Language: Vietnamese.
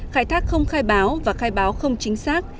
khai thác không khai báo và khai báo không chính xác